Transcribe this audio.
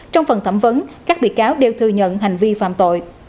trong phần thẩm vấn các bị cáo đều thừa nhận hành vi phạm tội